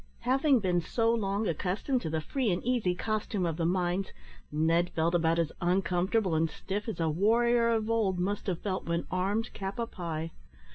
Having been so long accustomed to the free and easy costume of the mines, Ned felt about as uncomfortable and stiff as a warrior of old must have felt when armed cap a pie.